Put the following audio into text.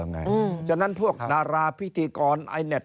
เพราะฉะนั้นพวกนราพิธีกร